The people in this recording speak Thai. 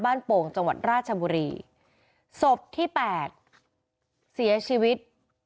โป่งจังหวัดราชบุรีศพที่แปดเสียชีวิต